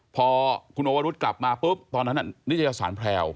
พอคุณโอวรุธกลับมาปุ๊บตอนนั้นนิตยสารแพรว